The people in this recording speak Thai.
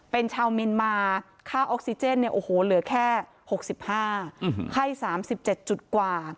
เป็นชาวเมนมาค่าออกซิเจนเหลือแค่๖๕ไข้๓๗จุดกว่า